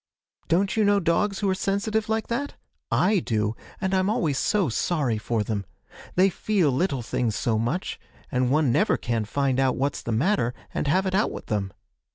Don't you know dogs who are sensitive like that? I do, and I'm always so sorry for them they feel little things so much, and one never can find out what's the matter, and have it out with them!